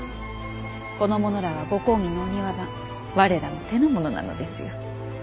この者らはご公儀の御庭番我らの手のものなのですよ。